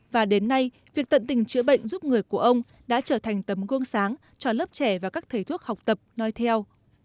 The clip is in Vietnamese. và đến nay việc tận tình chữa bệnh giúp người của ông đã trở thành tấm gương sáng cho lớp trẻ và các thầy thuốc học tập nói theo